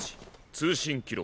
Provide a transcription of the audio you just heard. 通信記録！